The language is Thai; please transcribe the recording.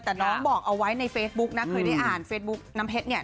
แต่น้องบอกเอาไว้ในเฟซบุ๊กนะเคยได้อ่านเฟซบุ๊กน้ำเพชรเนี่ย